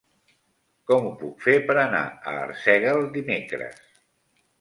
Com ho puc fer per anar a Arsèguel dimecres?